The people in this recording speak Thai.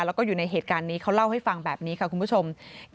แล้วก็อยู่ในเหตุการณ์นี้เขาเล่าให้ฟังแบบนี้ค่ะคุณผู้ชม